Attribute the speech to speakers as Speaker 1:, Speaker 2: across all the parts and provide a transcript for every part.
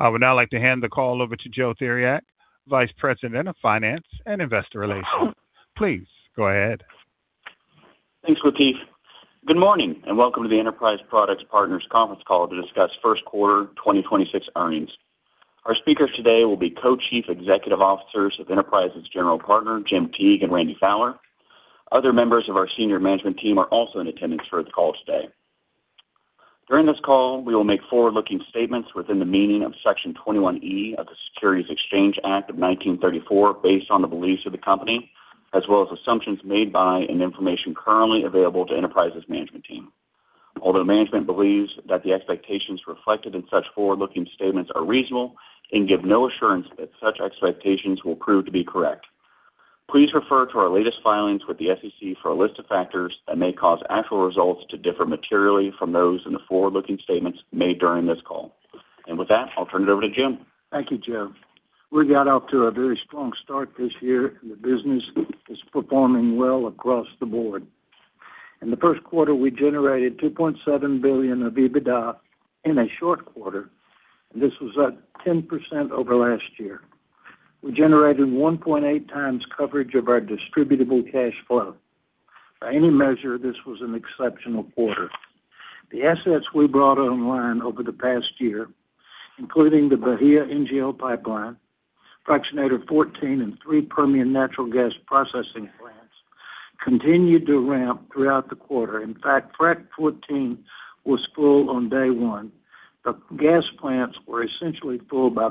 Speaker 1: I would now like to hand the call over to Joe Theriac, Vice President of Finance and Investor Relations. Please go ahead.
Speaker 2: Thanks, Latif. Good morning, welcome to the Enterprise Products Partners conference call to discuss first quarter 2026 earnings. Our speakers today will be Co-Chief Executive Officers of Enterprise's general partner, Jim Teague and Randall Fowler. Other members of our senior management team are also in attendance for the call today. During this call, we will make forward-looking statements within the meaning of Section 21E of the Securities Exchange Act of 1934 based on the beliefs of the company, as well as assumptions made by and information currently available to Enterprise's management team. Although management believes that the expectations reflected in such forward-looking statements are reasonable and give no assurance that such expectations will prove to be correct. Please refer to our latest filings with the SEC for a list of factors that may cause actual results to differ materially from those in the forward-looking statements made during this call. With that, I'll turn it over to Jim.
Speaker 3: Thank you, Joe. We got off to a very strong start this year. The business is performing well across the board. In the first quarter, we generated $2.7 billion of EBITDA in a short quarter, and this was up 10% over last year. We generated 1.8x coverage of our distributable cash flow. By any measure, this was an exceptional quarter. The assets we brought online over the past year, including the Bahia NGL Pipeline, Fractionator 14, and three Permian natural gas processing plants, continued to ramp throughout the quarter. In fact, Frac 14 was full on day one. The gas plants were essentially full by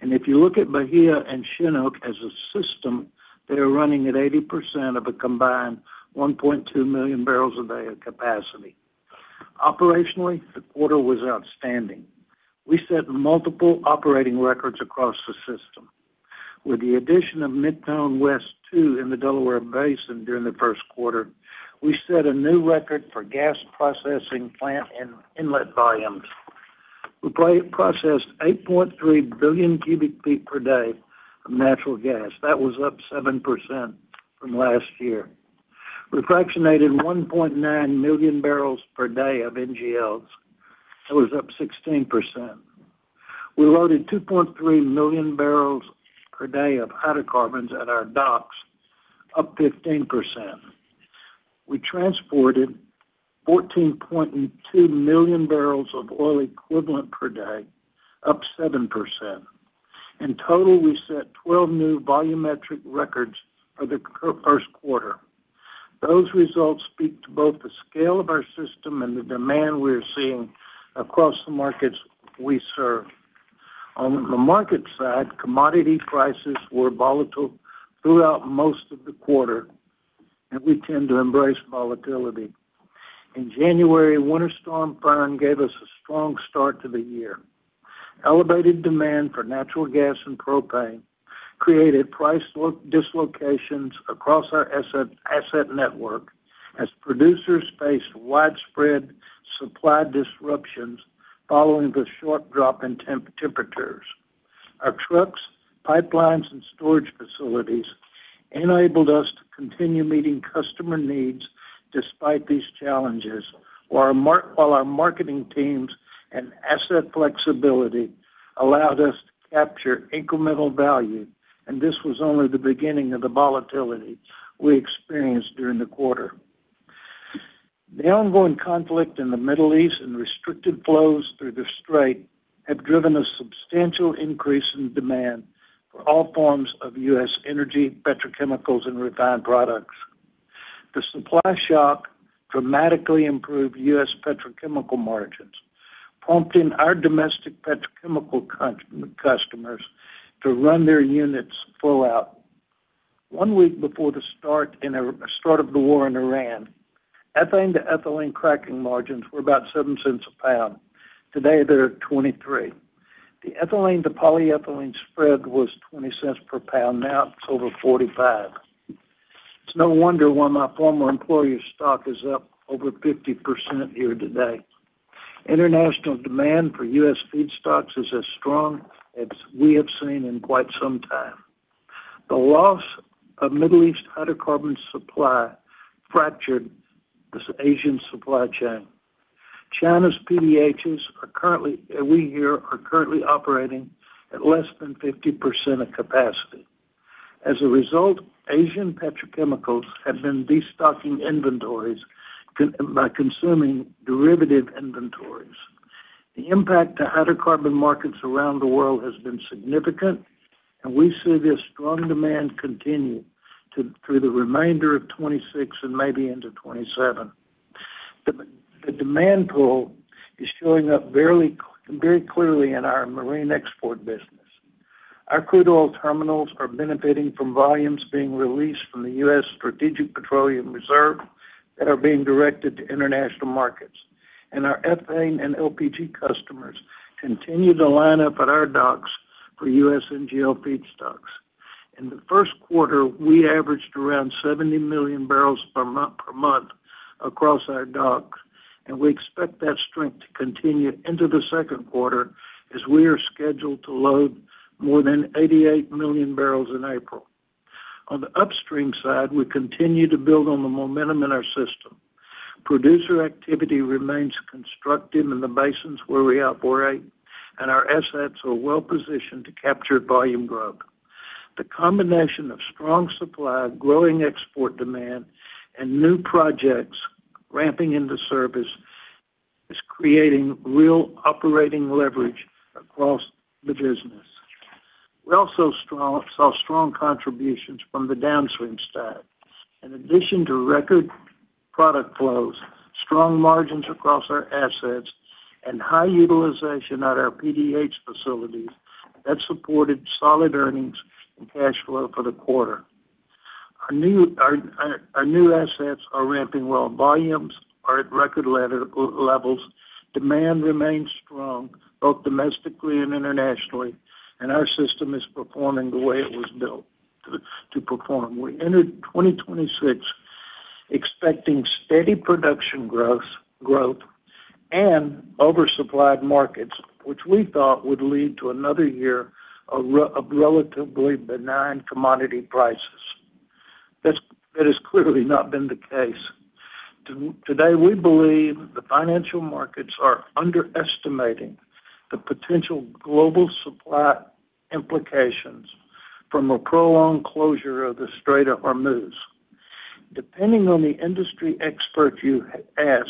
Speaker 3: mid-quarter. If you look at Bahia and Chinook as a system, they are running at 80% of a combined 1.2 MMbpd of capacity. Operationally, the quarter was outstanding. We set multiple operating records across the system. With the addition of Mentone West II in the Delaware Basin during the first quarter, we set a new record for gas processing plant inlet volumes. We processed 8.3 billion cu ft per day of natural gas. That was up 7% from last year. We fractionated 1.9 MMbpd of NGLs. That was up 16%. We loaded 2.3 MMbpd of hydrocarbons at our docks, up 15%. We transported 14.2 million bbl of oil equivalent per day, up 7%. In total, we set 12 new volumetric records for the first quarter. Those results speak to both the scale of our system and the demand we're seeing across the markets we serve. On the market side, commodity prices were volatile throughout most of the quarter. We tend to embrace volatility. In January, Winter Storm Finn gave us a strong start to the year. Elevated demand for natural gas and propane created price dislocations across our asset network as producers faced widespread supply disruptions following the sharp drop in temperatures. Our trucks, pipelines, and storage facilities enabled us to continue meeting customer needs despite these challenges, while our marketing teams and asset flexibility allowed us to capture incremental value. This was only the beginning of the volatility we experienced during the quarter. The ongoing conflict in the Middle East and restricted flows through the Strait have driven a substantial increase in demand for all forms of U.S. energy, petrochemicals, and refined products. The supply shock dramatically improved U.S. petrochemical margins, prompting our domestic petrochemical customers to run their units full out. One week before the start of the war in Iran, ethane to ethylene cracking margins were about $0.07 a pound. Today, they're at $0.23. The ethylene to polyethylene spread was $0.20 per pound. Now it's over $0.45. It's no wonder why my former employer's stock is up over 50% year-to-date. International demand for U.S. feedstocks is as strong as we have seen in quite some time. The loss of Middle East hydrocarbon supply fractured the Asian supply chain. China's PDHs we hear are currently operating at less than 50% of capacity. As a result, Asian petrochemicals have been destocking inventories by consuming derivative inventories. The impact to hydrocarbon markets around the world has been significant. We see this strong demand continue through the remainder of 2026 and maybe into 2027. The demand pool is showing up very, very clearly in our marine export business. Our crude oil terminals are benefiting from volumes being released from the U.S. Strategic Petroleum Reserve that are being directed to international markets. Our ethane and LPG customers continue to line up at our docks for U.S. NGL feedstocks. In the first quarter, we averaged around 70 million bbl per month across our docks. We expect that strength to continue into the second quarter as we are scheduled to load more than 88 million bbl in April. On the upstream side, we continue to build on the momentum in our system. Producer activity remains constructive in the basins where we operate, and our assets are well-positioned to capture volume growth. The combination of strong supply, growing export demand, and new projects ramping into service is creating real operating leverage across the business. We also saw strong contributions from the downstream stack. In addition to record product flows, strong margins across our assets and high utilization at our PDH facilities that supported solid earnings and cash flow for the quarter. Our new assets are ramping well. Volumes are at record levels. Demand remains strong both domestically and internationally, and our system is performing the way it was built to perform. We entered 2026 expecting steady production growth and oversupplied markets, which we thought would lead to another year of relatively benign commodity prices. That has clearly not been the case. Today, we believe the financial markets are underestimating the potential global supply implications from a prolonged closure of the Strait of Hormuz. Depending on the industry expert you ask,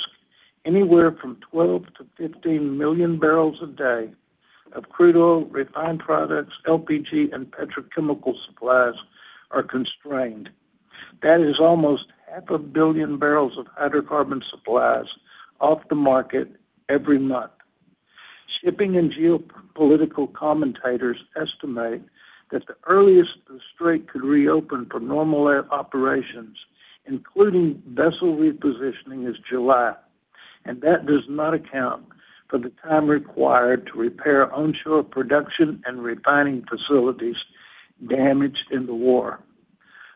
Speaker 3: anywhere from 12 MMbpd to 15 MMbpd of crude oil, refined products, LPG, and petrochemical supplies are constrained. That is almost 500 million bbl of hydrocarbon supplies off the market every month. Shipping and geopolitical commentators estimate that the earliest the strait could reopen for normal operations, including vessel repositioning, is July. That does not account for the time required to repair onshore production and refining facilities damaged in the war.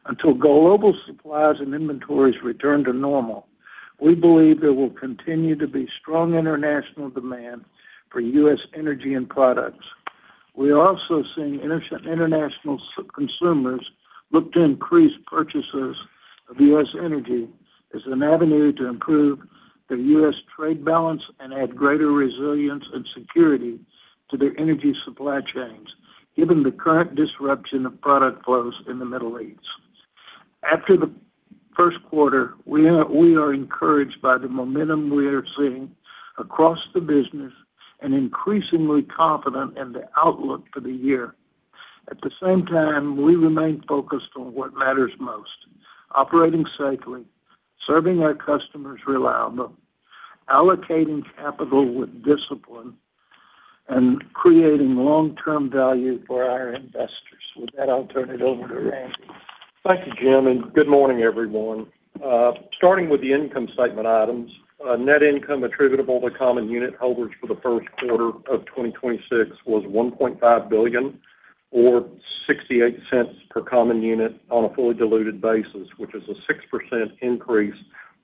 Speaker 3: Until global supplies and inventories return to normal, we believe there will continue to be strong international demand for U.S. energy and products. We are also seeing international consumers look to increase purchases of U.S. energy as an avenue to improve the U.S. trade balance and add greater resilience and security to their energy supply chains, given the current disruption of product flows in the Middle East. After the first quarter, we are encouraged by the momentum we are seeing across the business and increasingly confident in the outlook for the year. At the same time, we remain focused on what matters most. Operating safely, serving our customers reliably, allocating capital with discipline, and creating long-term value for our investors. With that, I'll turn it over to Randall.
Speaker 4: Thank you, Jim. Good morning, everyone. Starting with the income statement items, net income attributable to common unit holders for the first quarter of 2026 was $1.5 billion or $0.68 per common unit on a fully diluted basis, which is a 6% increase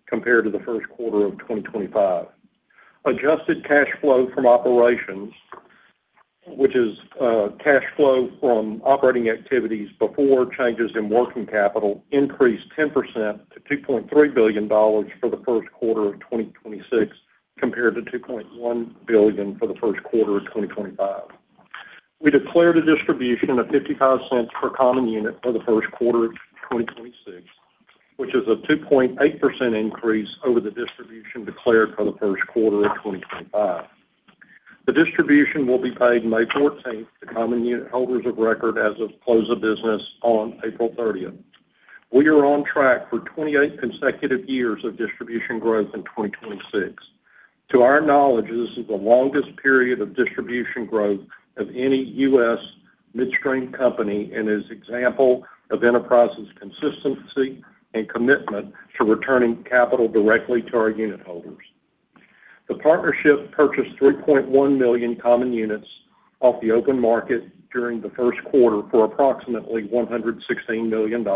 Speaker 4: compared to the first quarter of 2025. Adjusted cash flow from operations, which is cash flow from operating activities before changes in working capital, increased 10% to $2.3 billion for the first quarter of 2026, compared to $2.1 billion for the first quarter of 2025. We declared a distribution of $0.55 per common unit for the first quarter of 2026, which is a 2.8% increase over the distribution declared for the first quarter of 2025. The distribution will be paid May 14th to common unit holders of record as of close of business on April 30th. We are on track for 28 consecutive years of distribution growth in 2026. To our knowledge, this is the longest period of distribution growth of any U.S. midstream company and is example of Enterprise's consistency and commitment to returning capital directly to our unit holders. The partnership purchased 3.1 million common units off the open market during the first quarter for approximately $116 million.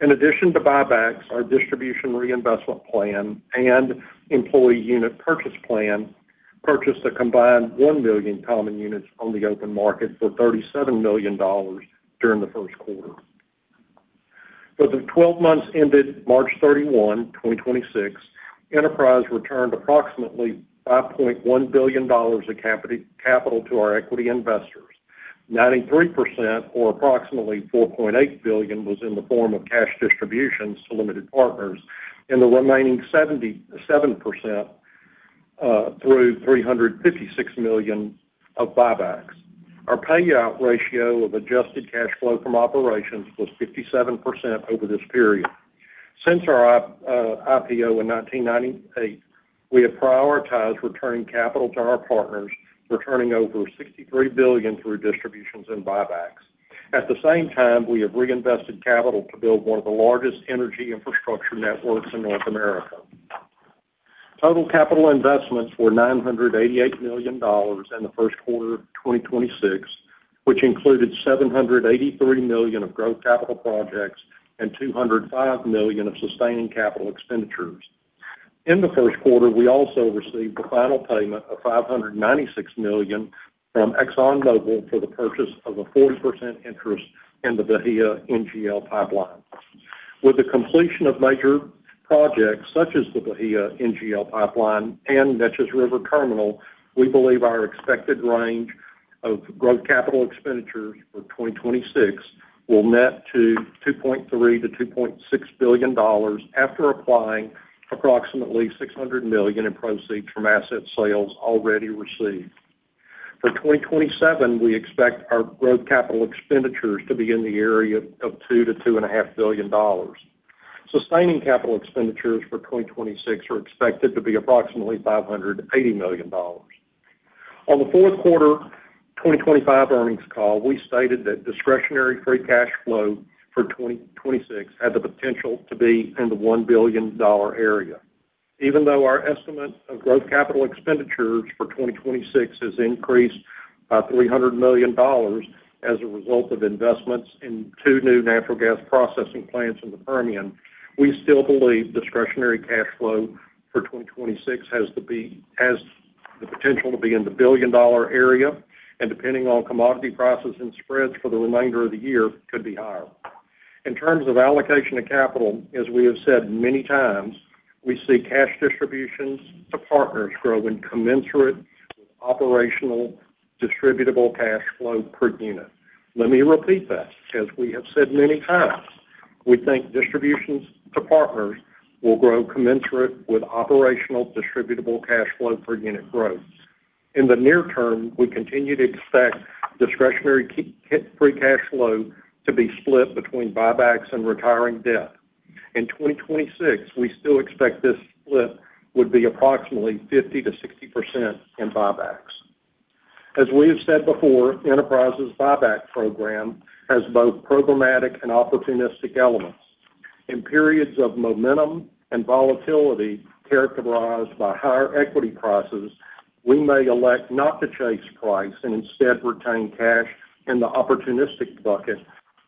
Speaker 4: In addition to buybacks, our distribution reinvestment plan and employee unit purchase plan purchased a combined 1 million common units on the open market for $37 million during the first quarter. For the 12 months ended March 31, 2026, Enterprise returned approximately $5.1 billion of capital to our equity investors. 93% or approximately $4.8 billion, was in the form of cash distributions to limited partners, and the remaining 77% through $356 million of buybacks. Our payout ratio of adjusted cash flow from operations was 57% over this period. Since our IPO in 1998, we have prioritized returning capital to our partners, returning over $63 billion through distributions and buybacks. At the same time, we have reinvested capital to build one of the largest energy infrastructure networks in North America. Total capital investments were $988 million in the first quarter of 2026, which included $783 million of growth capital projects and $205 million of sustaining capital expenditures. In the first quarter, we also received the final payment of $596 million from ExxonMobil for the purchase of a 40% interest in the Bahia NGL Pipeline. With the completion of major projects such as the Bahia NGL Pipeline and Neches River Terminal, we believe our expected range of growth capital expenditures for 2026 will net to $2.3 billion-$2.6 billion after applying approximately $600 million in proceeds from asset sales already received. For 2027, we expect our growth capital expenditures to be in the area of $2 billion-$2.5 billion. Sustaining capital expenditures for 2026 are expected to be approximately $580 million. On the fourth quarter 2025 earnings call, we stated that discretionary free cash flow for 2026 had the potential to be in the $1 billion area. Even though our estimate of growth capital expenditures for 2026 has increased by $300 million as a result of investments in two new natural gas processing plants in the Permian, we still believe discretionary cash flow for 2026 has the potential to be in the billion-dollar area, and depending on commodity prices and spreads for the remainder of the year, could be higher. In terms of allocation of capital, as we have said many times, we see cash distributions to partners grow in commensurate with operational distributable cash flow per unit. Let me repeat that. As we have said many times, we think distributions to partners will grow commensurate with operational distributable cash flow per unit growth. In the near term, we continue to expect discretionary free cash flow to be split between buybacks and retiring debt. In 2026, we still expect this split would be approximately 50%-60% in buybacks. As we have said before, Enterprise's buyback program has both programmatic and opportunistic elements. In periods of momentum and volatility characterized by higher equity prices, we may elect not to chase price and instead retain cash in the opportunistic bucket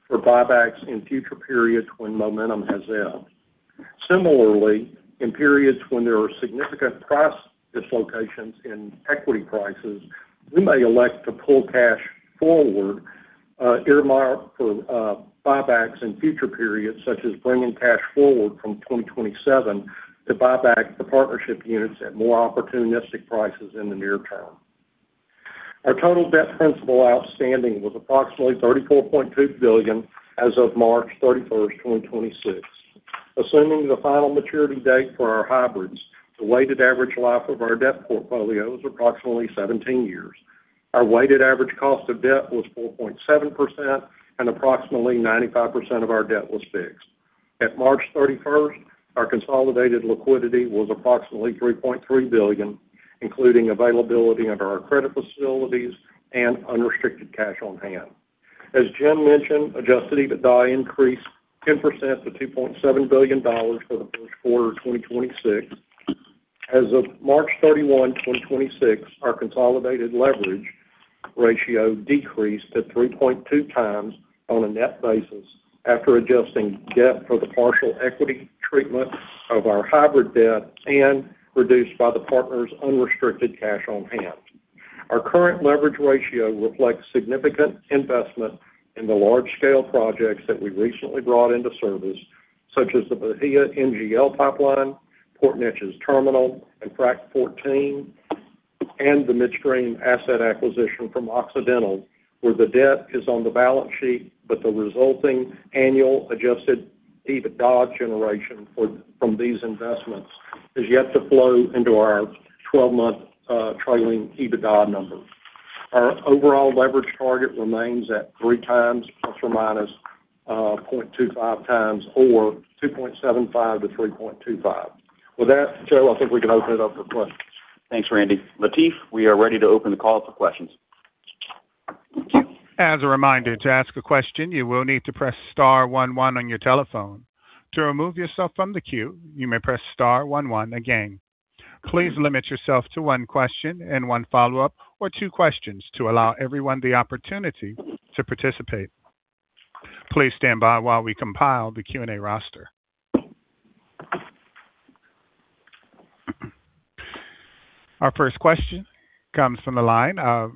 Speaker 4: for buybacks in future periods when momentum has ebbed. Similarly, in periods when there are significant price dislocations in equity prices, we may elect to pull cash forward, earmarked for buybacks in future periods, such as bringing cash forward from 2027 to buy back the partnership units at more opportunistic prices in the near term. Our total debt principal outstanding was approximately $34.2 billion as of March 31st, 2026. Assuming the final maturity date for our hybrids, the weighted average life of our debt portfolio is approximately 17 years. Our weighted average cost of debt was 4.7%, and approximately 95% of our debt was fixed. At March 31st, our consolidated liquidity was approximately $3.3 billion, including availability under our credit facilities and unrestricted cash on hand. As Jim mentioned, adjusted EBITDA increased 10% to $2.7 billion for the first quarter of 2026. As of March 31, 2026, our consolidated leverage ratio decreased to 3.2x on a net basis after adjusting debt for the partial equity treatment of our hybrid debt and reduced by the partner's unrestricted cash on hand. Our current leverage ratio reflects significant investment in the large-scale projects that we recently brought into service, such as the Bahia NGL Pipeline, Neches River Terminal, and Frac 14, and the midstream asset acquisition from Occidental, where the debt is on the balance sheet, but the resulting annual adjusted EBITDA generation from these investments has yet to flow into our 12-month trailing EBITDA numbers. Our overall leverage target remains at 3x ±0.25x or 2.75 to 3.25. With that, Joe, I think we can open it up for questions.
Speaker 2: Thanks, Randy. Latif, we are ready to open the call for questions.
Speaker 1: Our first question comes from the line of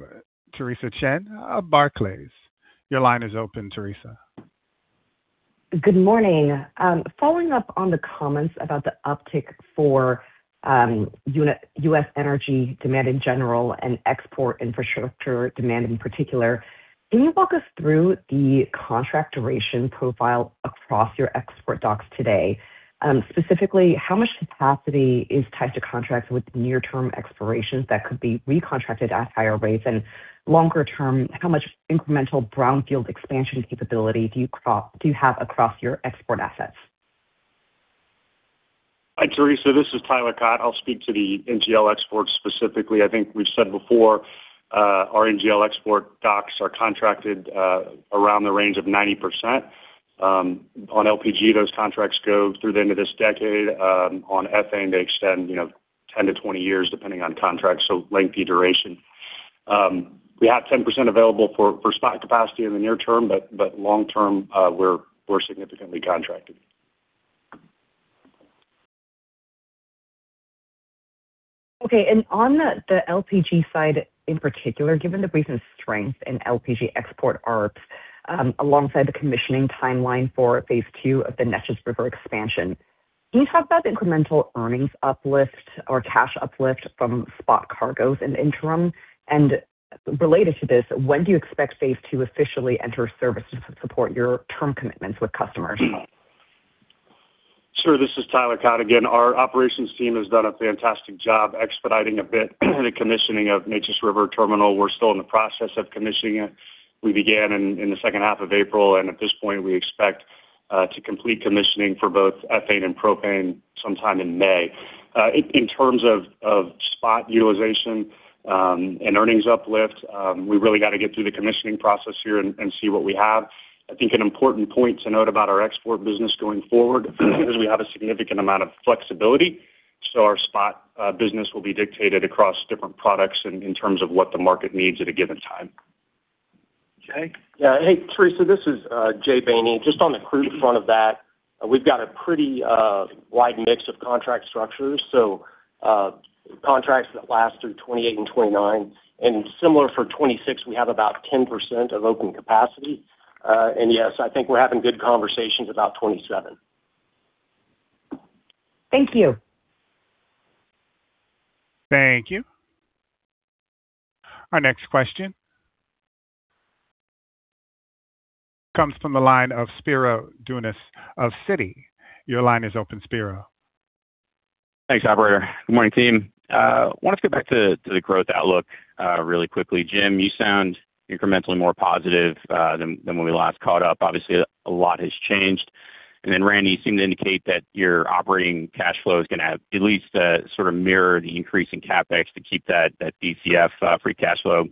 Speaker 1: Theresa Chen of Barclays. Your line is open, Theresa.
Speaker 5: Good morning. Following up on the comments about the uptick for U.S. energy demand in general and export infrastructure demand in particular, can you walk us through the contract duration profile across your export docks today? Specifically, how much capacity is tied to contracts with near-term expirations that could be recontracted at higher rates? Longer term, how much incremental brownfield expansion capability do you have across your export assets?
Speaker 6: Hi, Theresa. This is Tyler Cott. I'll speak to the NGL export specifically. I think we've said before, our NGL export docks are contracted around the range of 90%. On LPG, those contracts go through the end of this decade. On ethane, they extend, you know, 10-20 years, depending on contracts, so lengthy duration. We have 10% available for spot capacity in the near term, but long term, we're significantly contracted.
Speaker 5: Okay. On the LPG side in particular, given the recent strength in LPG export ARBs, alongside the commissioning timeline for phase 2 of the Neches River expansion, can you talk about the incremental earnings uplift or cash uplift from spot cargoes in the interim? Related to this, when do you expect phase 2 to officially enter service to support your term commitments with customers?
Speaker 6: Sure. This is Tyler Cott again. Our operations team has done a fantastic job expediting a bit the commissioning of Neches River Terminal. We're still in the process of commissioning it. We began in the second half of April. At this point we expect to complete commissioning for both ethane and propane sometime in May. In terms of spot utilization and earnings uplift, we really got to get through the commissioning process here and see what we have. I think an important point to note about our export business going forward is we have a significant amount of flexibility. Our spot business will be dictated across different products in terms of what the market needs at a given time.
Speaker 4: Jay?
Speaker 7: Yeah. Hey, Theresa, this is Jay Bany. Just on the crude front of that, we've got a pretty wide mix of contract structures, so contracts that last through 2028 and 2029. Similar for 2026, we have about 10% of open capacity. Yes, I think we're having good conversations about 2027.
Speaker 5: Thank you.
Speaker 1: Thank you. Our next question comes from the line of Spiro Dounis of Citi. Your line is open, Spiro.
Speaker 8: Thanks, operator. Good morning, team. Wanted to get back to the growth outlook really quickly. Jim, you sound incrementally more positive than when we last caught up. Obviously, a lot has changed. Randy, you seem to indicate that your operating cash flow is gonna at least sort of mirror the increase in CapEx to keep that DCF free cash flow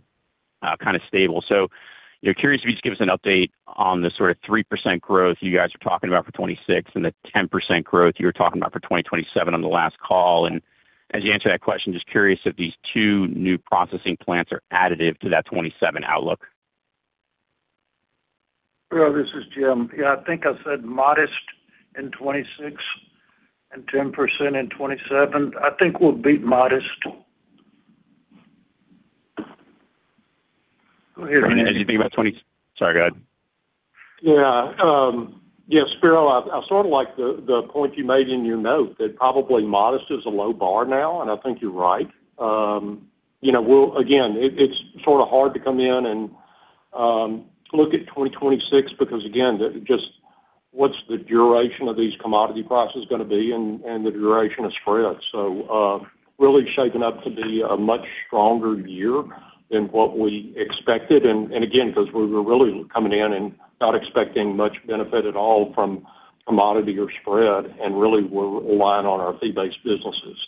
Speaker 8: kind of stable. You know, curious if you just give us an update on the sort of 3% growth you guys were talking about for 2026 and the 10% growth you were talking about for 2027 on the last call. As you answer that question, just curious if these two new processing plants are additive to that 2027 outlook.
Speaker 3: Spiro, this is Jim. I think I said modest in 2026 and 10% in 2027. I think we'll beat modest.
Speaker 8: Randy, anything about. Sorry, go ahead.
Speaker 4: Yeah. Yeah, Spiro, I sort of like the point you made in your note that probably modest is a low bar now, and I think you're right. You know, again, it's sort of hard to come in and look at 2026 because again, just what's the duration of these commodity prices gonna be and the duration of spread. Really shaping up to be a much stronger year than what we expected. Again, cause we were really coming in and not expecting much benefit at all from commodity or spread, and really we're relying on our fee-based businesses.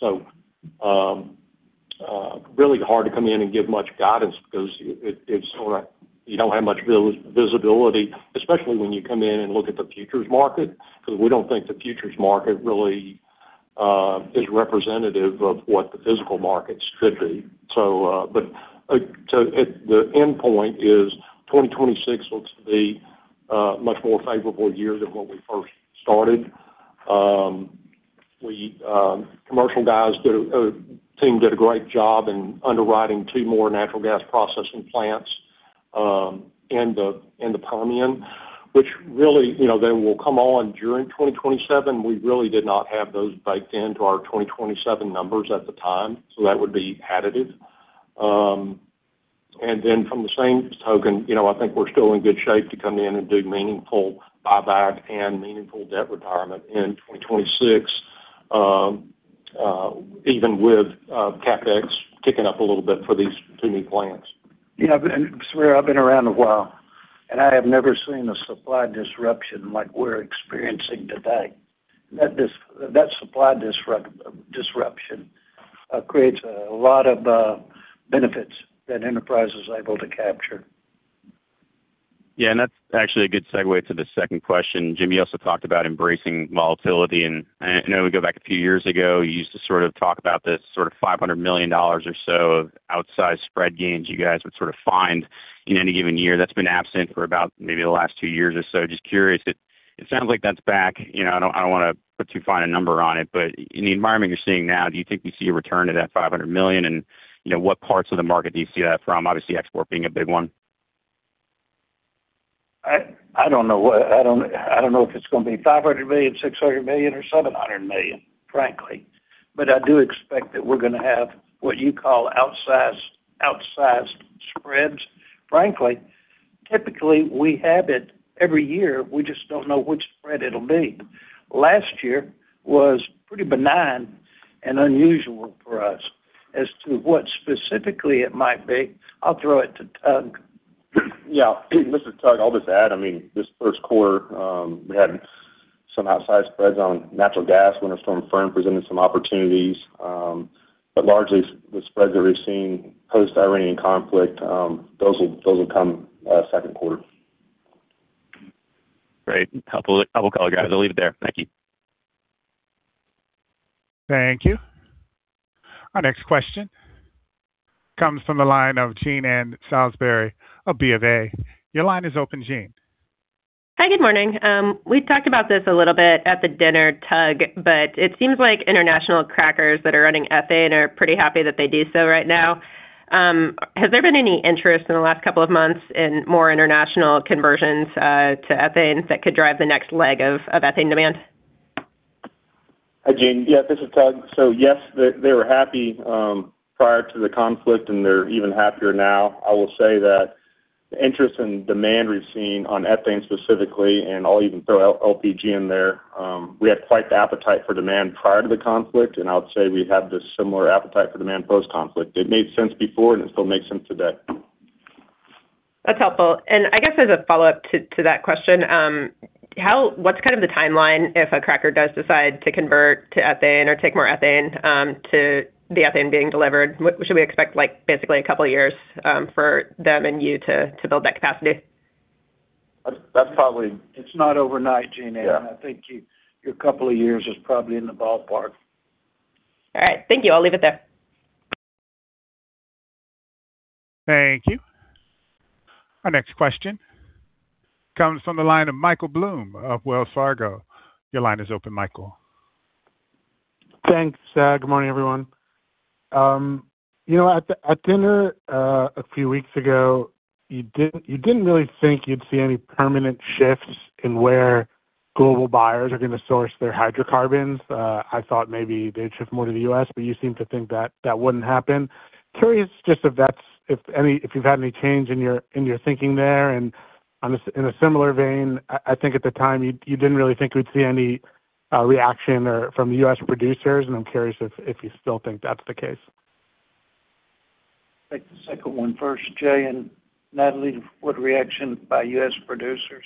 Speaker 4: Really hard to come in and give much guidance because it's sort of. You don't have much visibility, especially when you come in and look at the futures market, because we don't think the futures market really is representative of what the physical markets should be. At the endpoint is 2026 looks to be a much more favorable year than when we first started. We commercial guys team did a great job in underwriting two more natural gas processing plants in the Permian, which really, you know, they will come on during 2027. We really did not have those baked into our 2027 numbers at the time, so that would be additive. From the same token, you know, I think we're still in good shape to come in and do meaningful buyback and meaningful debt retirement in 2026, even with CapEx ticking up a little bit for these two new plants.
Speaker 3: Yeah. Spiro, I've been around a while, and I have never seen a supply disruption like we're experiencing today. That supply disruption creates a lot of benefits that Enterprise is able to capture.
Speaker 8: Yeah. That's actually a good segue to the second question. Jim, you also talked about embracing volatility. I know we go back a few years ago, you used to sort of talk about this sort of $500 million or so of outsized spread gains you guys would sort of find in any given year. That's been absent for about maybe the last two years or so. Just curious, it sounds like that's back. You know, I don't wanna put too fine a number on it, but in the environment you're seeing now, do you think you see a return to that $500 million? You know, what parts of the market do you see that from? Obviously, export being a big one.
Speaker 3: I don't know if it's gonna be $500 million, $600 million, or $700 million, frankly. I do expect that we're gonna have what you call outsized spreads, frankly. Typically, we have it every year, we just don't know which spread it'll be. Last year was pretty benign and unusual for us. As to what specifically it might be, I'll throw it to Tug.
Speaker 9: Yeah. This is Tug. I'll just add, I mean, this first quarter, we had some outsized spreads on natural gas. Winter Storm Finn presented some opportunities. Largely the spreads that we've seen post-Iranian conflict, those will come second quarter.
Speaker 8: Great. Helpful. Helpful color, guys. I'll leave it there. Thank you.
Speaker 1: Thank you. Our next question comes from the line of Jean Ann Salisbury of BofA. Your line is open, Jean.
Speaker 10: Hi, good morning. We talked about this a little bit at the dinner, Tug, but it seems like international crackers that are running ethane are pretty happy that they do so right now. Has there been any interest in the last couple of months in more international conversions to ethane that could drive the next leg of ethane demand?
Speaker 9: Hi, Jean. This is Tug. Yes, they were happy prior to the conflict and they're even happier now. I will say that the interest in demand we've seen on ethane specifically, and I'll even throw LPG in there, we had quite the appetite for demand prior to the conflict, and I would say we have the similar appetite for demand post-conflict. It made sense before and it still makes sense today.
Speaker 10: That's helpful. I guess as a follow-up to that question, what's kind of the timeline if a cracker does decide to convert to ethane or take more ethane to the ethane being delivered? Should we expect, like, basically a couple of years for them and you to build that capacity?
Speaker 9: That's, that's probably-
Speaker 3: It's not overnight, Jean.
Speaker 9: Yeah.
Speaker 3: I think your couple of years is probably in the ballpark.
Speaker 10: All right. Thank you. I'll leave it there.
Speaker 1: Thank you. Our next question comes from the line of Michael Blum of Wells Fargo. Your line is open, Michael.
Speaker 11: Thanks. Good morning, everyone. You know, at dinner, a few weeks ago, you didn't, you didn't really think you'd see any permanent shifts in where global buyers are gonna source their hydrocarbons. I thought maybe they'd shift more to the U.S., but you seem to think that that wouldn't happen. Curious just if you've had any change in your, in your thinking there. On a similar vein, I think at the time you didn't really think we'd see any reaction or from the U.S. producers, and I'm curious if you still think that's the case.
Speaker 3: Take the second one first, Jay and Natalie, what reaction by U.S. producers?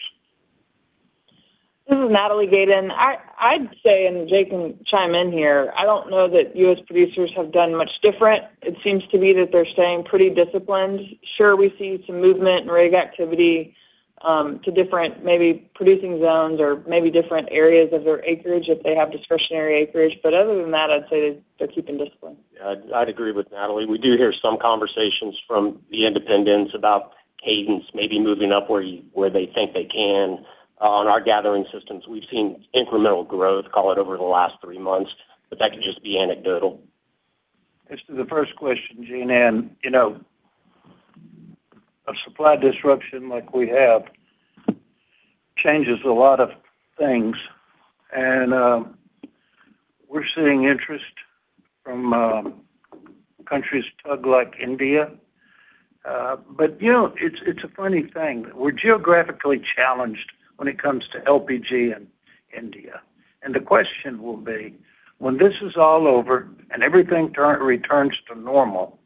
Speaker 12: This is Natalie Gayden. I'd say, and Jay can chime in here, I don't know that U.S. producers have done much different. It seems to me that they're staying pretty disciplined. Sure, we see some movement and rig activity to different maybe producing zones or maybe different areas of their acreage if they have discretionary acreage. Other than that, I'd say they're keeping discipline.
Speaker 7: Yeah. I'd agree with Natalie. We do hear some conversations from the independents about cadence maybe moving up where they think they can. On our gathering systems, we've seen incremental growth, call it over the last three months, that could just be anecdotal.
Speaker 3: As to the first question, Jean Ann, you know, a supply disruption like we have changes a lot of things. We're seeing interest from countries, Tug, like India. You know, it's a funny thing. We're geographically challenged when it comes to LPG in India. The question will be: When this is all over and everything returns to normal,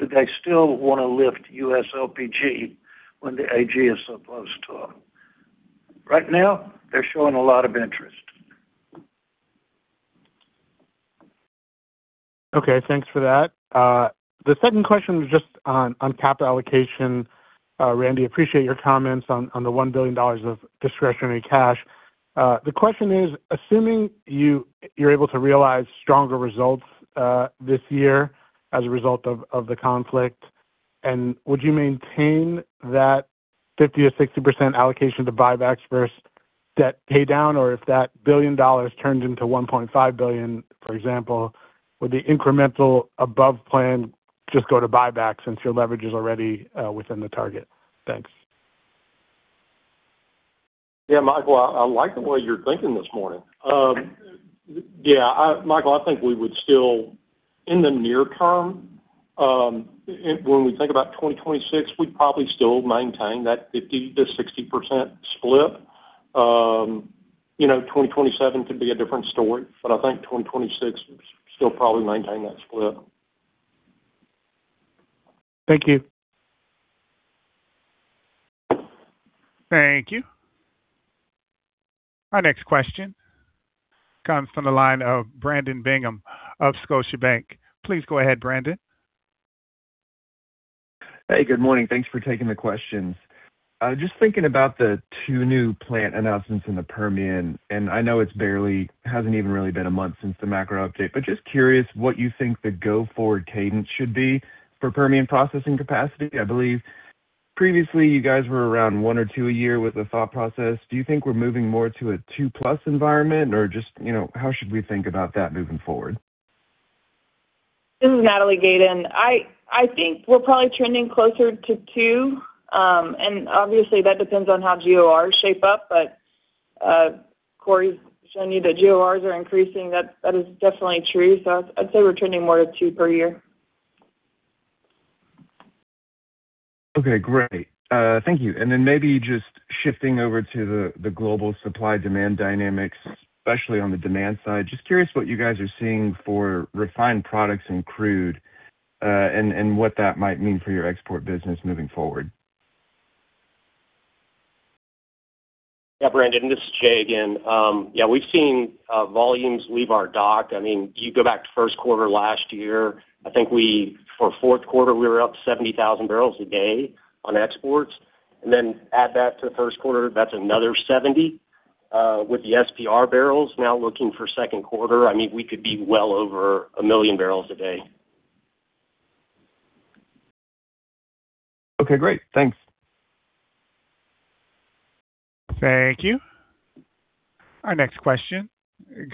Speaker 3: do they still wanna lift U.S. LPG when the AG is so close to them? Right now, they're showing a lot of interest.
Speaker 11: Okay. Thanks for that. The second question is just on capital allocation. Randy, appreciate your comments on the $1 billion of discretionary cash. The question is, assuming you're able to realize stronger results this year as a result of the conflict, would you maintain that 50%-60% allocation to buybacks versus debt pay down? If that $1 billion turned into $1.5 billion, for example, would the incremental above plan just go to buyback since your leverage is already within the target? Thanks.
Speaker 4: Michael, I like the way you're thinking this morning. Michael, I think we would still in the near term, when we think about 2026, we'd probably still maintain that 50%-60% split. You know, 2027 could be a different story, I think 2026, still probably maintain that split.
Speaker 11: Thank you.
Speaker 1: Thank you. Our next question comes from the line of Brandon Bingham of Scotiabank. Please go ahead, Brandon.
Speaker 13: Hey, good morning. Thanks for taking the questions. Just thinking about the two new plant announcements in the Permian, and I know it hasn't even really been a month since the macro update. Just curious what you think the go-forward cadence should be for Permian processing capacity. I believe previously you guys were around one or two a year with the thought process. Do you think we're moving more to a two-plus environment or just, you know, how should we think about that moving forward?
Speaker 12: This is Natalie Gayden. I think we're probably trending closer to two. Obviously that depends on how GORs shape up. Corey's showing me that GORs are increasing. That is definitely true. I'd say we're trending more to two per year.
Speaker 13: Okay, great. Thank you. Maybe just shifting over to the global supply-demand dynamics, especially on the demand side, just curious what you guys are seeing for refined products and crude, and what that might mean for your export business moving forward?
Speaker 7: Brandon, this is Jay again. We've seen volumes leave our dock. I mean, you go back to first quarter last year, I think for fourth quarter, we were up 70,000 bpd on exports. Add that to the first quarter, that's another 70 with the SPR barrels. Looking for second quarter, I mean, we could be well over 1 MMbpd
Speaker 13: Okay, great. Thanks.
Speaker 1: Thank you. Our next question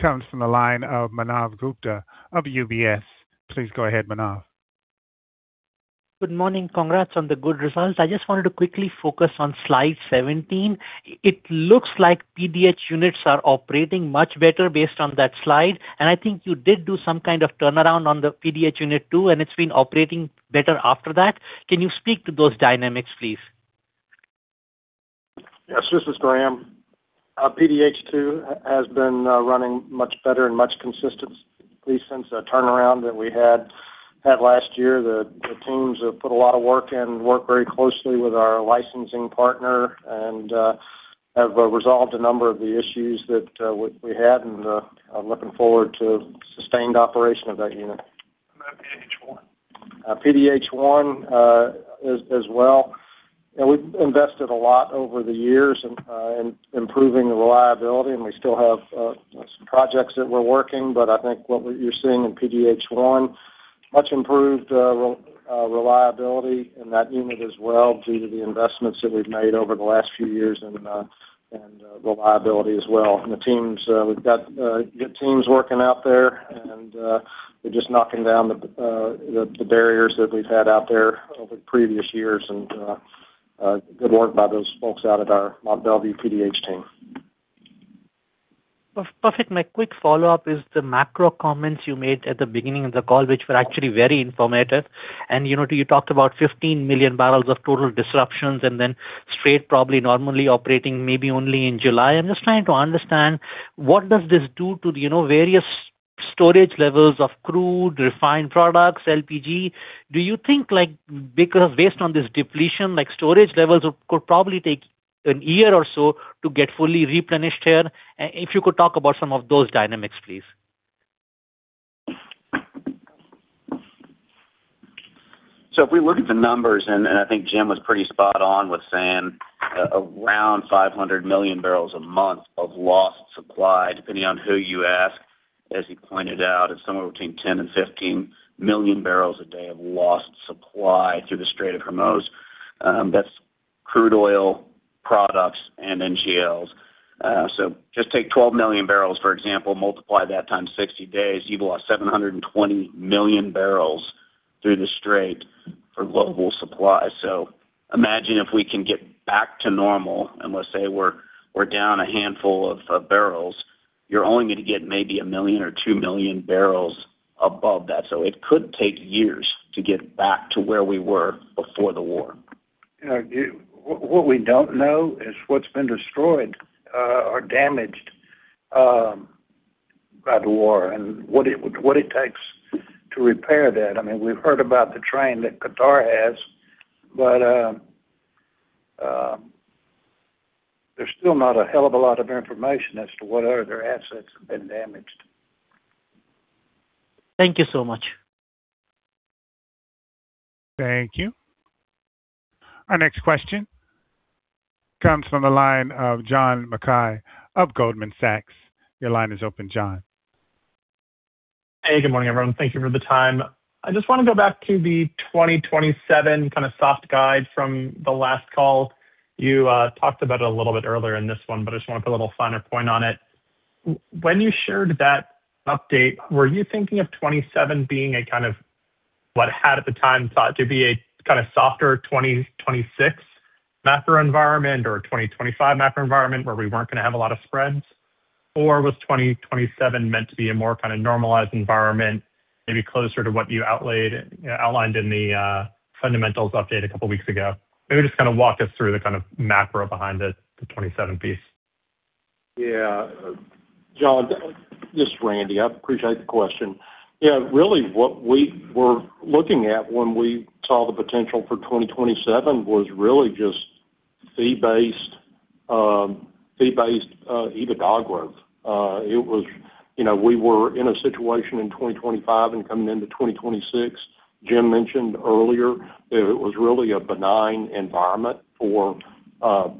Speaker 1: comes from the line of Manav Gupta of UBS. Please go ahead, Manav.
Speaker 14: Good morning. Congrats on the good results. I just wanted to quickly focus on slide 17. It looks like PDH units are operating much better based on that slide, I think you did do some kind of turnaround on the PDH unit 2, and it's been operating better after that. Can you speak to those dynamics, please?
Speaker 15: Yes, this is Graham. PDH 2 has been running much better and much consistently since the turnaround that we had last year. The teams have put a lot of work in, worked very closely with our licensing partner and have resolved a number of the issues that we had and are looking forward to sustained operation of that unit.
Speaker 3: How about PDH 1?
Speaker 15: PDH 1, as well. You know, we've invested a lot over the years in improving the reliability, and we still have some projects that we're working, but I think what you're seeing in PDH 1, much improved reliability in that unit as well due to the investments that we've made over the last few years and reliability as well. The teams, we've got good teams working out there, and they're just knocking down the barriers that we've had out there over previous years and good work by those folks out at our Mont Belvieu PDH team.
Speaker 14: Perfect. My quick follow-up is the macro comments you made at the beginning of the call, which were actually very informative. You know, you talked about 15 million bbl of total disruptions and then Strait probably normally operating maybe only in July. I'm just trying to understand what does this do to, you know, various storage levels of crude, refined products, LPG? Do you think like, because based on this depletion, like storage levels could probably take a year or so to get fully replenished here? If you could talk about some of those dynamics, please.
Speaker 7: If we look at the numbers, and I think Jim was pretty spot on with saying, around 500 million bbl a month of lost supply, depending on who you ask. As he pointed out, it's somewhere between 10 MMbpd-15 MMbpd of lost supply through the Strait of Hormuz. That's crude oil products and NGLs. Just take 12 million bbl, for example, multiply that times 60 days, you've lost 720 million bbl through the Strait for global supply. Imagine if we can get back to normal, and let's say we're down a handful of bbl, you're only gonna get maybe 1 million or 2 million bbl above that. It could take years to get back to where we were before the war.
Speaker 3: You know, what we don't know is what's been destroyed, or damaged, by the war and what it takes to repair that. I mean, we've heard about the train that Qatar has, but there's still not a hell of a lot of information as to what other assets have been damaged.
Speaker 14: Thank you so much.
Speaker 1: Thank you. Our next question comes from the line of John Mackay of Goldman Sachs. Your line is open, John.
Speaker 16: Hey, good morning, everyone. Thank you for the time. I just wanna go back to the 2027 kinda soft guide from the last call. You talked about it a little bit earlier in this one, but I just wanna put a little finer point on it. When you shared that update, were you thinking of 2027 being a kind of what had at the time thought to be a kinda softer 2026 macro environment or a 2025 macro environment where we weren't gonna have a lot of spreads? Or was 2027 meant to be a more kinda normalized environment, maybe closer to what you outlaid, you know, outlined in the fundamentals update a couple weeks ago? Maybe just kinda walk us through the kind of macro behind the 2027 piece.
Speaker 4: John, this is Randy. I appreciate the question. Really what we were looking at when we saw the potential for 2027 was really just fee-based, fee-based EBITDA growth. You know, we were in a situation in 2025 and coming into 2026, Jim mentioned earlier that it was really a benign environment for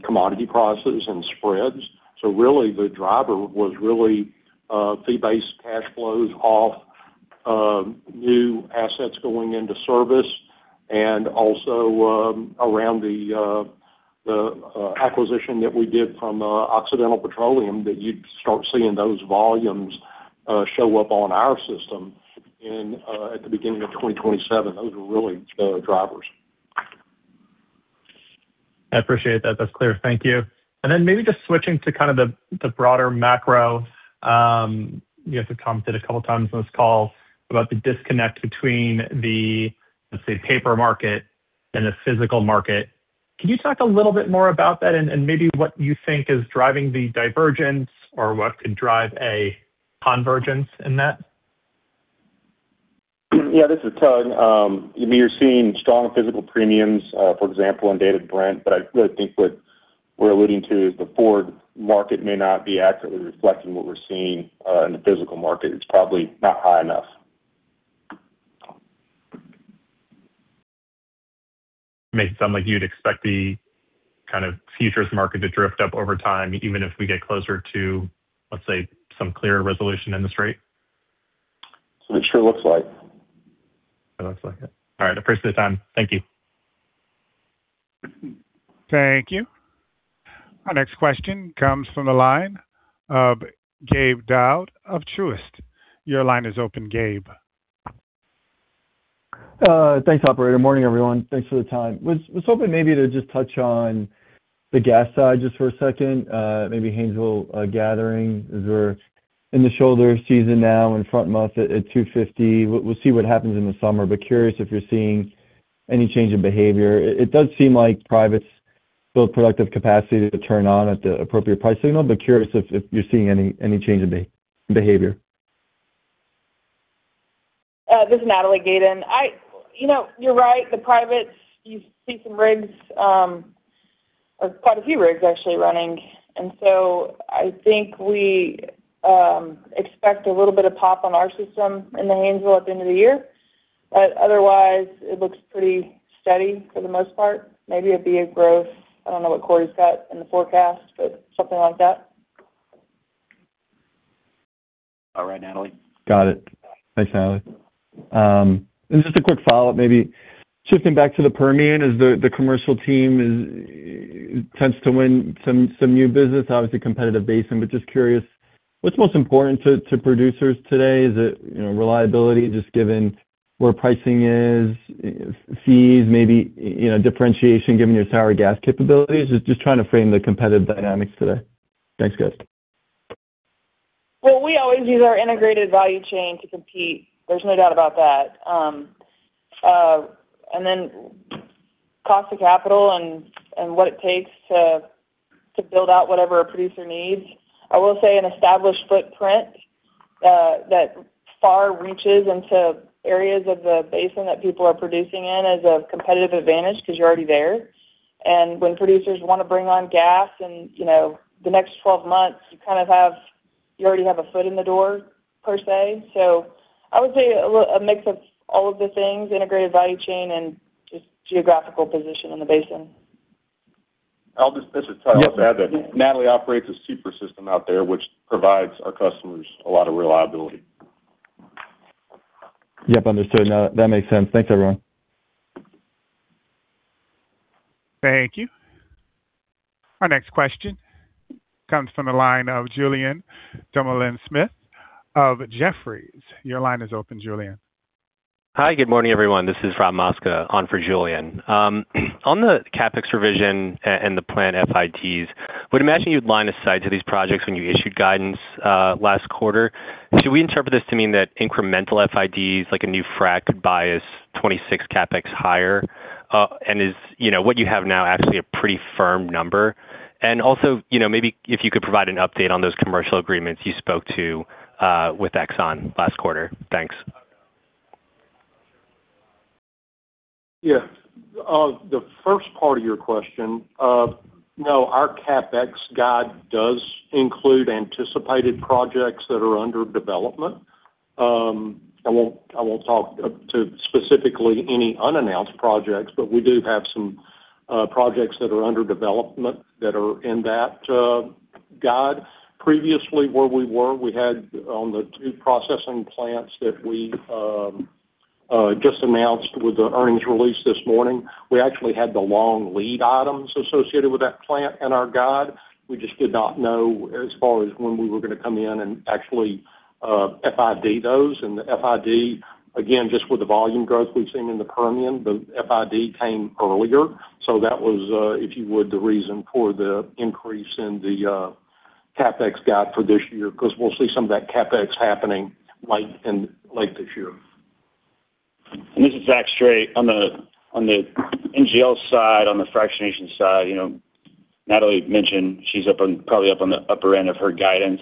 Speaker 4: commodity prices and spreads. Really, the driver was really fee-based cash flows off of new assets going into service and also around the acquisition that we did from Occidental Petroleum that you'd start seeing those volumes show up on our system at the beginning of 2027. Those were really the drivers.
Speaker 16: I appreciate that. That's clear. Thank you. Then maybe just switching to kind of the broader macro, you have commented a couple of times on this call about the disconnect between the, let's say, paper market and the physical market. Can you talk a little bit more about that and maybe what you think is driving the divergence or what could drive a convergence in that?
Speaker 9: Yeah, this is Tug. I mean, you're seeing strong physical premiums, for example, in Dated Brent. I really think what we're alluding to is the forward market may not be accurately reflecting what we're seeing in the physical market. It's probably not high enough.
Speaker 16: Makes it sound like you'd expect the kind of futures market to drift up over time, even if we get closer to, let's say, some clearer resolution in the Strait?
Speaker 9: It sure looks like.
Speaker 16: It looks like it. All right. I appreciate the time. Thank you.
Speaker 1: Thank you. Our next question comes from the line of Gabe Daoud of Truist. Your line is open, Gabe.
Speaker 17: Thanks, operator. Morning, everyone. Thanks for the time. Was hoping maybe to just touch on the gas side just for a second. Maybe Haynesville gathering. Is there in the shoulder season now in front month at $2.50. We'll see what happens in the summer. Curious if you're seeing any change in behavior. It does seem like privates build productive capacity to turn on at the appropriate price signal, but curious if you're seeing any change in behavior.
Speaker 12: This is Natalie Gayden. You know, you're right. The privates, you see some rigs, or quite a few rigs actually running. I think we expect a little bit of pop on our system in the Haynesville at the end of the year. Otherwise, it looks pretty steady for the most part. Maybe it'd be a growth. I don't know what Corey's got in the forecast, but something like that.
Speaker 17: All right, Natalie. Got it. Thanks, Natalie. Just a quick follow-up, maybe shifting back to the Permian as the commercial team tends to win some new business, obviously competitive basin. Just curious, what's most important to producers today? Is it, you know, reliability, just given where pricing is, fees, maybe, you know, differentiation given your tower gas capabilities? Just trying to frame the competitive dynamics today. Thanks, guys.
Speaker 12: Well, we always use our integrated value chain to compete. There's no doubt about that. Cost of capital and what it takes to build out whatever a producer needs. I will say an established footprint that far reaches into areas of the basin that people are producing in is a competitive advantage because you're already there. When producers wanna bring on gas and, you know, the next 12 months, you already have a foot in the door per se. I would say a mix of all of the things, integrated value chain and just geographical position in the basin.
Speaker 6: This is Tyler. I'll just add that Natalie operates a super system out there, which provides our customers a lot of reliability.
Speaker 17: Yep, understood. That makes sense. Thanks, everyone.
Speaker 1: Thank you. Our next question comes from the line of Julien Dumoulin-Smith of Jefferies. Your line is open, Julien.
Speaker 18: Hi. Good morning, everyone. This is Rob Mosca on for Julien. On the CapEx revision and the planned FIDs, would imagine you'd line aside to these projects when you issued guidance last quarter. Should we interpret this to mean that incremental FIDs like a new frack bias 26 CapEx higher? Is, you know, what you have now actually a pretty firm number? Also, you know, maybe if you could provide an update on those commercial agreements you spoke to with ExxonMobil last quarter. Thanks.
Speaker 4: The first part of your question, no, our CapEx guide does include anticipated projects that are under development. I won't, I won't talk to specifically any unannounced projects, but we do have some projects that are under development that are in that guide. Previously, where we were, we had on the two processing plants that we just announced with the earnings release this morning. We actually had the long lead items associated with that plant and our guide. We just did not know as far as when we were gonna come in and actually FID those. The FID, again, just with the volume growth we've seen in the Permian, the FID came earlier. That was, if you would, the reason for the increase in the CapEx guide for this year, because we'll see some of that CapEx happening late this year.
Speaker 19: This is Zachary Strait. On the NGL side, on the fractionation side, you know, Natalie mentioned she's probably up on the upper end of her guidance.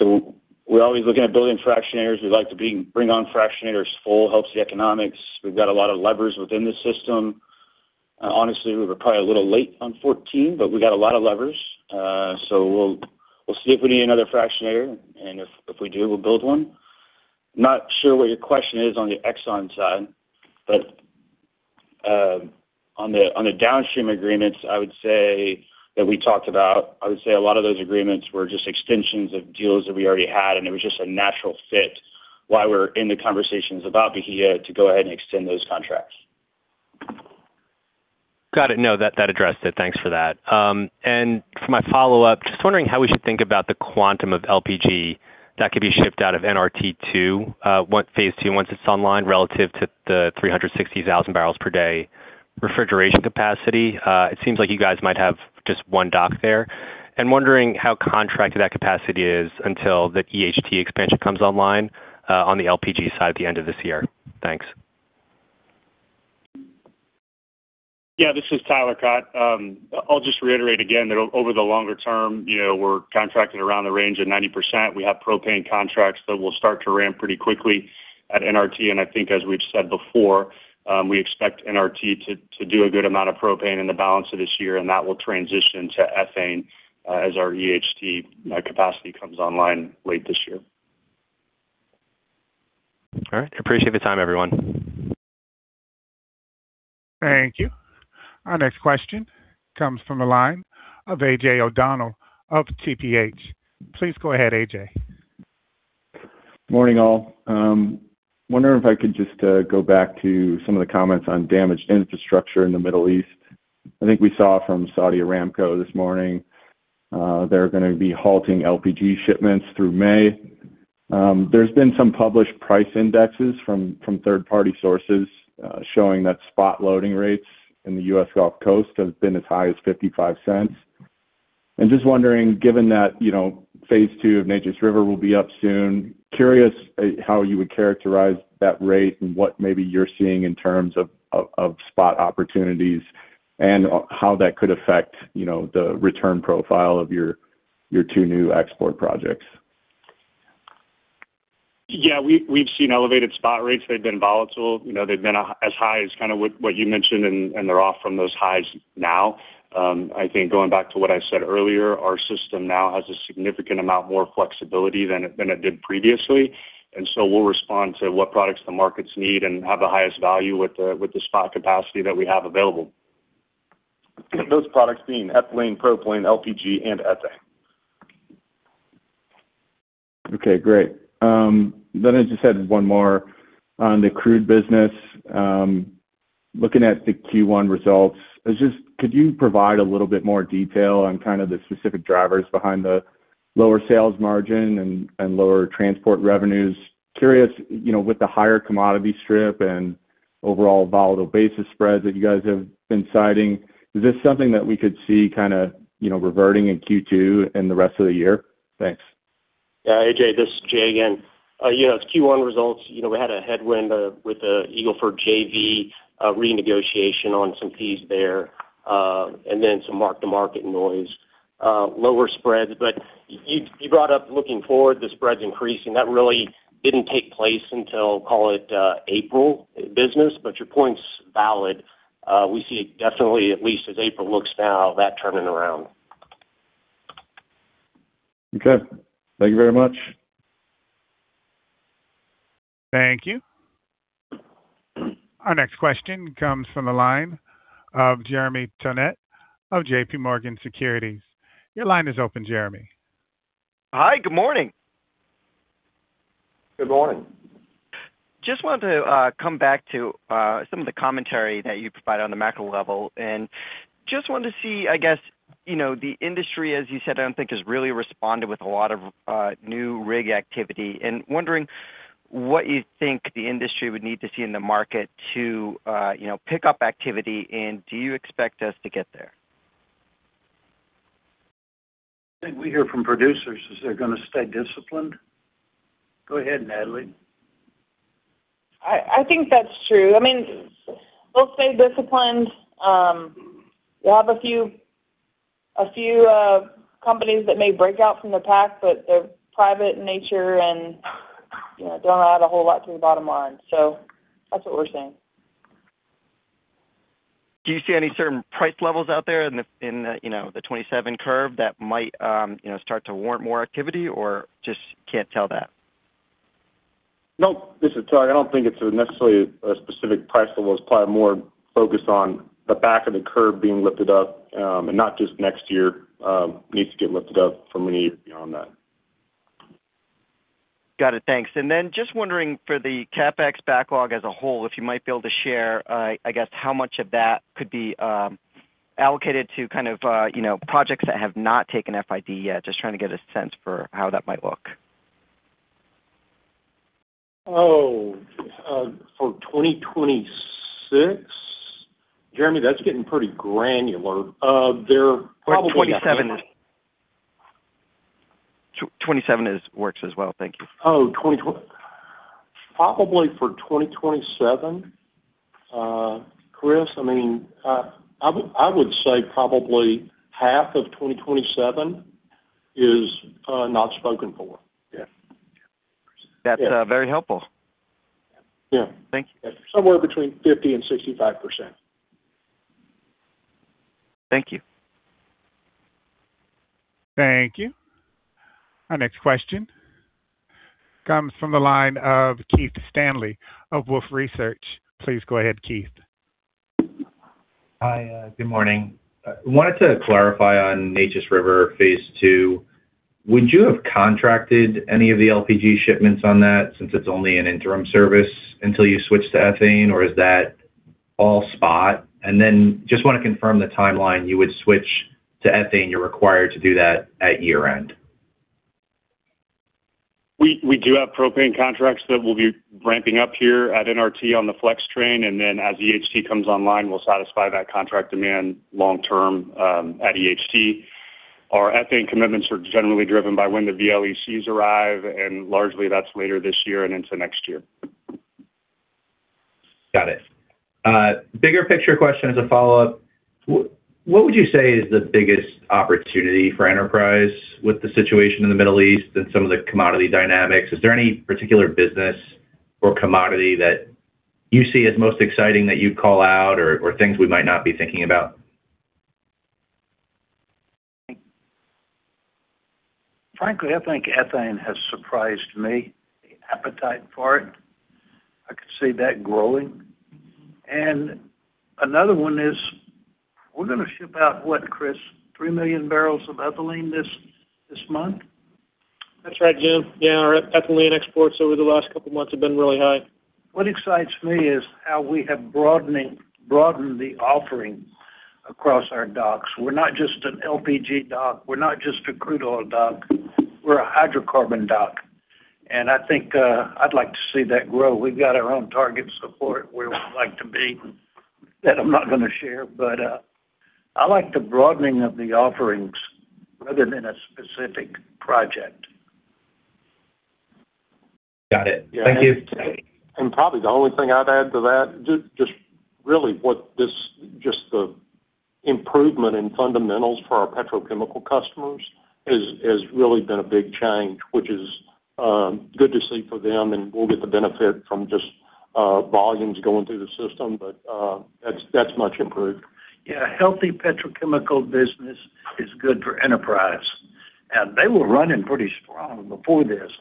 Speaker 19: We're always looking at building fractionators. We like to bring on fractionators full, helps the economics. We've got a lot of levers within the system. honestly, we were probably a little late on 14. We got a lot of levers. We'll see if we need another fractionator, and if we do, we'll build one. Not sure what your question is on the ExxonMobil side. On the downstream agreements, I would say a lot of those agreements were just extensions of deals that we already had, and it was just a natural fit while we're in the conversations about Bahia to go ahead and extend those contracts.
Speaker 18: Got it. No, that addressed it. Thanks for that. And for my follow-up, just wondering how we should think about the quantum of LPG that could be shipped out of NRT 2, once phase 2, once it's online, relative to the 360,000 bpd refrigeration capacity. It seems like you guys might have just one dock there. And wondering how contracted that capacity is until the EHT expansion comes online, on the LPG side at the end of this year. Thanks.
Speaker 6: Yeah, this is Tyler Cott. I'll just reiterate again that over the longer term, you know, we're contracting around the range of 90%. We have propane contracts that will start to ramp pretty quickly at NRT. I think as we've said before, we expect NRT to do a good amount of propane in the balance of this year, and that will transition to ethane as our EHT capacity comes online late this year.
Speaker 18: All right. Appreciate the time, everyone.
Speaker 1: Thank you. Our next question comes from the line of AJ O'Donnell of TPH&Co. Please go ahead, AJ.
Speaker 20: Morning, all. Wondering if I could just go back to some of the comments on damaged infrastructure in the Middle East. I think we saw from Saudi Aramco this morning, they're gonna be halting LPG shipments through May. There's been some published price indexes from third-party sources showing that spot loading rates in the U.S. Gulf Coast have been as high as $0.55. Just wondering, given that, you know, phase 2 of Neches River will be up soon, curious how you would characterize that rate and what maybe you're seeing in terms of spot opportunities and how that could affect, you know, the return profile of your two new export projects.
Speaker 6: Yeah, we've seen elevated spot rates. They've been volatile. You know, they've been as high as kinda what you mentioned, and they're off from those highs now. I think going back to what I said earlier, our system now has a significant amount more flexibility than it did previously. We'll respond to what products the markets need and have the highest value with the spot capacity that we have available. Those products being ethylene, propylene, LPG, and ethane.
Speaker 20: Okay, great. I just had one more on the crude business. Looking at the Q1 results, could you provide a little bit more detail on kind of the specific drivers behind the lower sales margin and lower transport revenues? Curious, you know, with the higher commodity strip and overall volatile basis spreads that you guys have been citing, is this something that we could see kinda, you know, reverting in Q2 and the rest of the year? Thanks.
Speaker 7: Yeah. AJ, this is Jay again. You know, Q1 results, you know, we had a headwind with the Eagle Ford JV renegotiation on some fees there, and then some mark-to-market noise, lower spreads. You brought up looking forward, the spreads increasing. That really didn't take place until, call it, April business, but your point's valid. We see it definitely at least as April looks now, that turning around.
Speaker 20: Okay. Thank you very much.
Speaker 1: Thank you. Our next question comes from the line of Jeremy Tonet of JPMorgan Securities. Your line is open, Jeremy.
Speaker 21: Hi, good morning.
Speaker 7: Good morning.
Speaker 21: Just wanted to come back to some of the commentary that you provided on the macro level. Just wanted to see, I guess, you know, the industry, as you said, I don't think has really responded with a lot of new rig activity. Wondering what you think the industry would need to see in the market to, you know, pick up activity, and do you expect us to get there?
Speaker 7: I think we hear from producers is they're gonna stay disciplined. Go ahead, Natalie.
Speaker 12: I think that's true. I mean, we'll stay disciplined. We have a few companies that may break out from the pack, but they're private in nature and, you know, don't add a whole lot to the bottom line. That's what we're seeing.
Speaker 21: Do you see any certain price levels out there in the, in the, you know, the 2027 curve that might, you know, start to warrant more activity or just can't tell that?
Speaker 9: Nope. This is Tug. I don't think it's necessarily a specific price level. It's probably more focused on the back of the curve being lifted up, and not just next year. Needs to get lifted up for many years beyond that.
Speaker 21: Got it. Thanks. Just wondering for the CapEx backlog as a whole, if you might be able to share, I guess how much of that could be allocated to kind of, you know, projects that have not taken FID yet. Just trying to get a sense for how that might look.
Speaker 4: Oh, for 2026? Jeremy, that's getting pretty granular.
Speaker 21: For 2027. 2027 works as well. Thank you.
Speaker 4: Probably for 2027, Chris, I mean, I would say probably half of 2027 is not spoken for.
Speaker 21: Yeah. That's very helpful.
Speaker 4: Yeah.
Speaker 21: Thank you.
Speaker 4: Somewhere between 50% and 65%.
Speaker 21: Thank you.
Speaker 1: Thank you. Our next question comes from the line of Keith Stanley of Wolfe Research. Please go ahead, Keith.
Speaker 22: Hi. Good morning. Wanted to clarify on Neches River phase 2. Would you have contracted any of the LPG shipments on that since it's only an interim service until you switch to ethane, or is that all spot? Just want to confirm the timeline. You would switch to ethane, you're required to do that at year-end.
Speaker 6: We do have propane contracts that we'll be ramping up here at NRT on the flex train. As EHT comes online, we'll satisfy that contract demand long term at EHT. Our ethane commitments are generally driven by when the VLECs arrive. Largely that's later this year and into next year.
Speaker 22: Got it. Bigger picture question as a follow-up. What would you say is the biggest opportunity for Enterprise with the situation in the Middle East and some of the commodity dynamics? Is there any particular business or commodity that you see as most exciting that you'd call out or things we might not be thinking about?
Speaker 3: Frankly, I think ethane has surprised me, the appetite for it. I can see that growing. Another one is we're gonna ship out what, Chris? 3 million bbl of ethylene this month?
Speaker 23: That's right, Jim. Yeah, our ethylene exports over the last couple months have been really high.
Speaker 3: What excites me is how we have broadened the offering across our docks. We're not just an LPG dock, we're not just a crude oil dock, we're a hydrocarbon dock. I think I'd like to see that grow. We've got our own target support where we'd like to be that I'm not gonna share, but I like the broadening of the offerings rather than a specific project.
Speaker 22: Got it. Thank you.
Speaker 4: Yeah, probably the only thing I'd add to that, just really what this, just the improvement in fundamentals for our petrochemical customers has really been a big change, which is good to see for them, and we'll get the benefit from just volumes going through the system. That's much improved.
Speaker 3: Yeah, healthy petrochemical business is good for Enterprise. They were running pretty strong before this.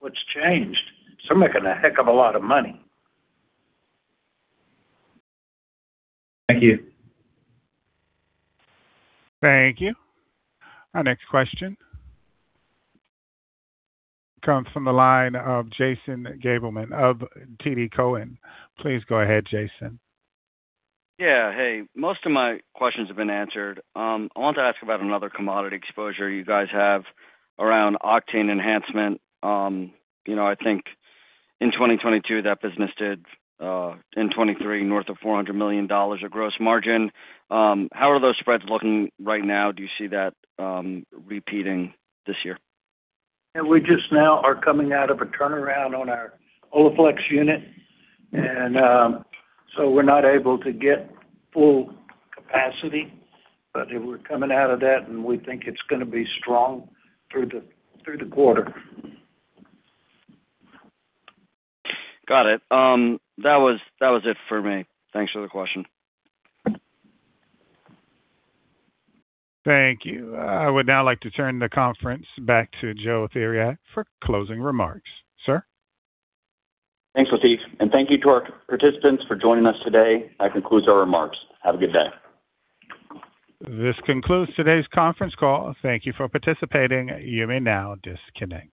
Speaker 3: What's changed? They're making a heck of a lot of money.
Speaker 22: Thank you.
Speaker 1: Thank you. Our next question comes from the line of Jason Gabelman of TD Cowen. Please go ahead, Jason.
Speaker 24: Yeah. Hey. Most of my questions have been answered. I wanted to ask about another commodity exposure you guys have around octane enhancement. you know, I think in 2022, that business did in 2023, north of $400 million of gross margin. How are those spreads looking right now? Do you see that repeating this year?
Speaker 3: Yeah, we just now are coming out of a turnaround on our Oleflex unit, and, so we're not able to get full capacity, but we're coming out of that, and we think it's gonna be strong through the quarter.
Speaker 24: Got it. That was it for me. Thanks for the question.
Speaker 1: Thank you. I would now like to turn the conference back to Joe Theriac for closing remarks. Sir?
Speaker 2: Thanks, Latif, and thank you to our participants for joining us today. That concludes our remarks. Have a good day.
Speaker 1: This concludes today's conference call. Thank you for participating. You may now disconnect.